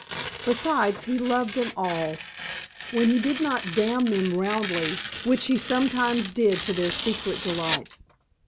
Besides he loved them all; when he did not damn them roundly, which he sometimes did to their secret delight.